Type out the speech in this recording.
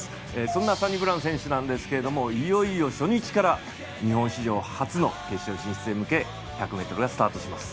そんなサニブラウン選手なんですけれどもいよいよ初日から日本史上初の決勝進出へ向け１００ｍがスタートします